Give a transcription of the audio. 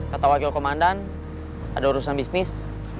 kata wakil komandan ada urusan bisnis